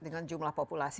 dengan jumlah populasinya